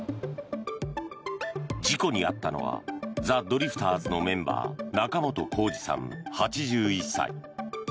事故に遭ったのはザ・ドリフターズのメンバー仲本工事さん、８１歳。